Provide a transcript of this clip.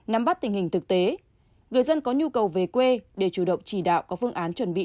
nắm bắt tình hình thực tế người dân có nhu cầu về quê để chủ động chỉ đạo có phương án chuẩn bị